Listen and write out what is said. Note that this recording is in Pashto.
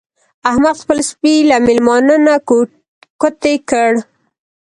احمد خپل سپی له مېلمانه نه کوتې کړ.